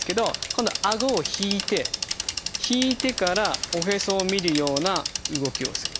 今度はあごを引いて引いてからおへそを見るような動きをする。